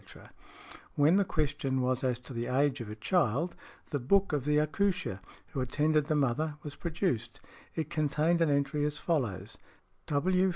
When |106| the question was as to the age of a child, the book of the accoucheur who attended the mother was produced; it contained an entry as follows, "W.